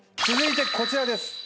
続いてこちらです。